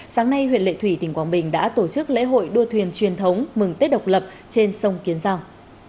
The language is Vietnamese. sáng nay huyện lệ thủy tỉnh quảng bình đã tổ chức lễ hội đua thuyền truyền thống mừng tết độc lập trên sông kiến giang